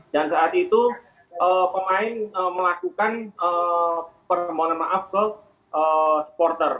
dan saat itu pemain melakukan permohonan maaf ke supporter